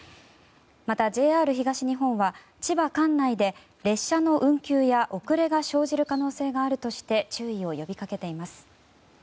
また、ＪＲ東日本は千葉管内で列車の運休や遅れが生じる可能性があるとして注意を呼び掛けています。